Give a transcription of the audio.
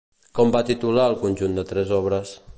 Com va titular el conjunt de tres obres?